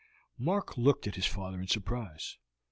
Mark looked at his father in surprise.